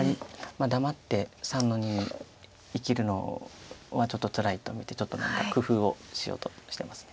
黙って３の二に生きるのはちょっとつらいと見てちょっと何か工夫をしようとしてます。